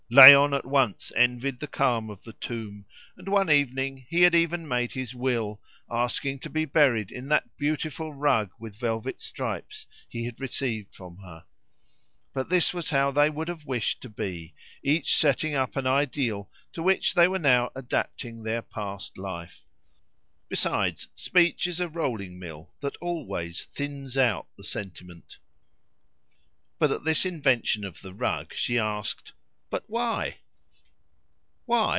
Léon at once envied the calm of the tomb, and one evening he had even made his will, asking to be buried in that beautiful rug with velvet stripes he had received from her. For this was how they would have wished to be, each setting up an ideal to which they were now adapting their past life. Besides, speech is a rolling mill that always thins out the sentiment. But at this invention of the rug she asked, "But why?" "Why?"